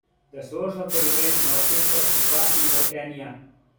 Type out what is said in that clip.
The source of the river is northeast of Kiffa in Mauritania.